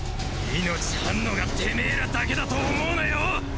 命張ンのがてめぇらだけだと思うなよ！